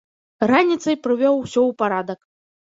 Раніцай прывёў усё ў парадак.